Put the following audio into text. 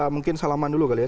mungkin salaman dulu kali ya